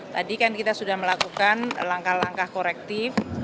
tadi kan kita sudah melakukan langkah langkah korektif